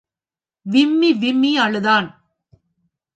விம்மி விம்மி அழுதான்.